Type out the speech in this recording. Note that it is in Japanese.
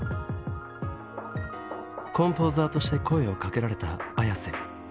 コンポーザーとして声をかけられたＡｙａｓｅ。